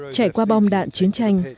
chạy qua bom đạn chiến tranh